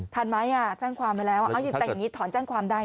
ทันไหมจ้างความไปแล้วถอนจ้างความได้